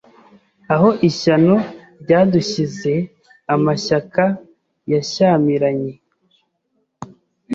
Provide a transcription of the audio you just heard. Aho ishyano ryadushyize Amashyaka yashyamiranye